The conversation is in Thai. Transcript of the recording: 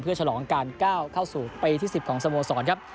ฉลองการก้าวเข้าสู่ปีที่๑๐ของสโมสรครับ